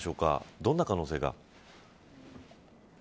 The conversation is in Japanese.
どんな可能性が。